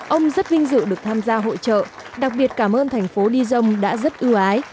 ông rất vinh dự được tham gia hội trợ đặc biệt cảm ơn thành phố di dông đã rất ưu ái